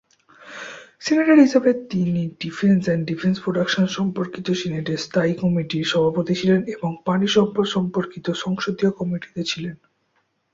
Senator হিসাবে তিনি defence and defence production সম্পর্কিত সিনেটের স্থায়ী কমিটির সভাপতি ছিলেন এবং পানি সম্পদ সম্পর্কিত সংসদীয় কমিটিতে ছিলেন।